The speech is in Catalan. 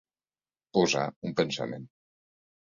Posar un pensament.